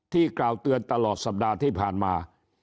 กล่าวเตือนตลอดสัปดาห์ที่ผ่านมา